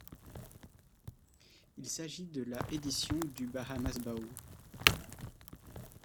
Il s'agit de la édition du Bahamas Bowl.